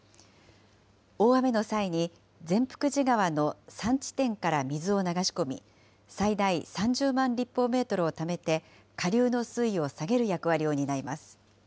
大雨の際に善福寺川の３地点から水を流し込み、最大３０万立方メートルをためて、下流の水位を下げる役割を担います。